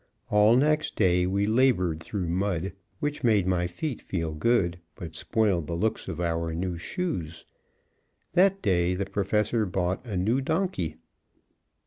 All next day we labored through mud, which made my feet feel good, but spoiled the looks of our new shoes. That day the Professor bought a new donkey.